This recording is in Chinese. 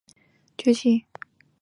阉党及东林党崛起。